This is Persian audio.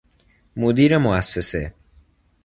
مدیر مؤسسه